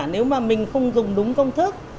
nếu mà mình không dùng đúng công thức